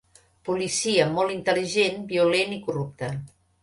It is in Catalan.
Policia molt intel·ligent, violent i corrupte.